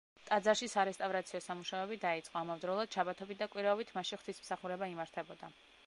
ტაძარში სარესტავრაციო სამუშაოები დაიწყო, ამავდროულად შაბათობით და კვირაობით მასში ღვთისმსახურება იმართებოდა.